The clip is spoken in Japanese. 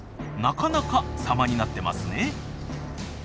なかなかサマになってますね。